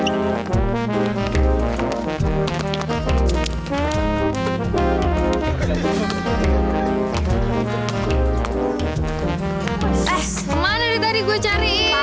eh kemana dia tadi gue cariin